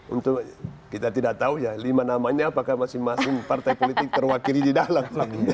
untuk kita tidak tahu ya lima namanya apakah masing masing partai politik terwakili di dalam